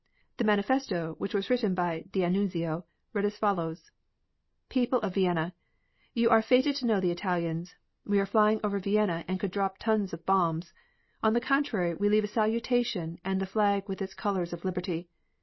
The manifesto, which was written by D'Annunzio reads as follows: People of Vienna, you are fated to know the Italians. We are flying over Vienna and could drop tons of bombs. On the contrary we leave a salutation and the flag with its colors of liberty.